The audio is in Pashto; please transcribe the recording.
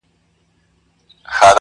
بلا وهلی يم، چي تا کوم بلا کومه.